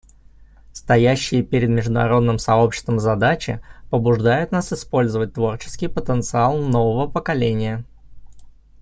Стоящие перед международным сообществом задачи побуждают нас использовать творческий потенциал нового поколения.